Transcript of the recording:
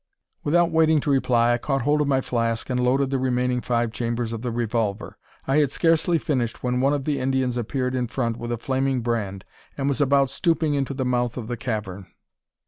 Without waiting to reply, I caught hold of my flask, and loaded the remaining five chambers of the revolver. I had scarcely finished when one of the Indians appeared in front with a flaming brand, and was about stooping into the mouth of the cavern.